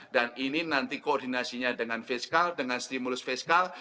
dan ini nanti koordinasinya dengan fiskal dengan stimulus fiskal